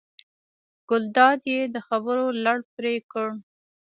ګلداد یې د خبرو لړ پرې کړ.